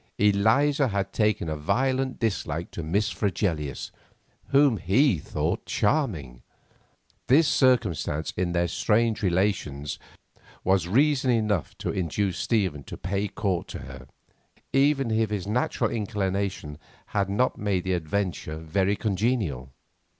Eliza had taken a violent dislike to Miss Fregelius, whom he thought charming. This circumstance in their strained relations was reason enough to induce Stephen to pay court to her, even if his natural inclination had not made the adventure very congenial.